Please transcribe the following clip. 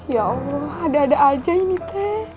ya allah ada ada aja ini teh